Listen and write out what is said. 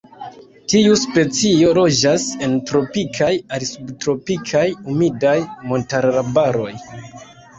Tiu specio loĝas en tropikaj al subtropikaj, humidaj montararbaroj.